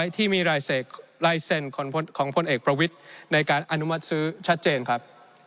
ที่มีลายเซ็นต์ของพลเอกประวิทย์ในการอนุมัติซื้อชัดเจนครับ